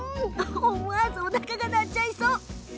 思わずおなかも鳴っちゃいそう。